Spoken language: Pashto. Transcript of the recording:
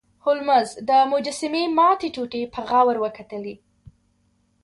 هولمز د مجسمې ماتې ټوټې په غور وکتلې.